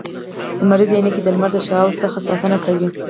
لمریزي عینکي د لمر د شعاوو څخه ساتنه کوي